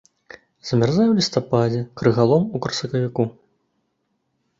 Замярзае ў лістападзе, крыгалом у красавіку.